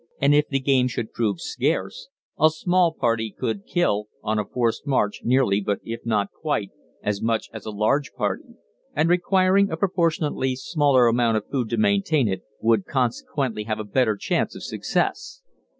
And if the game should prove scarce, a small party could kill, on a forced march, nearly, if not quite, as much as a large party; and requiring a proportionately smaller amount of food to maintain it, would consequently have a better chance of success.